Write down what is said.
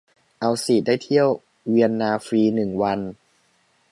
เอาสิ ได้เที่ยวเวียนนาฟรีหนึ่งวัน